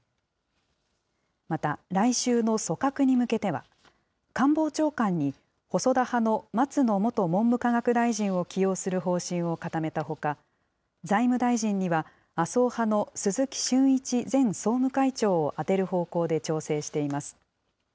また、来週の組閣に向けては、官房長官に細田派の松野元文部科学大臣を起用する方針を固めたほか、財務大臣には、麻生派の鈴木俊一前総務会長を充てる方向で調整しています。